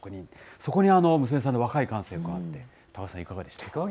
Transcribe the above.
そこに娘さんの若い感性が加わって、高橋さん、いかがでした？